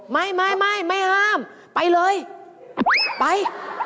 ไม่ไม่ห้ามไปเลยไป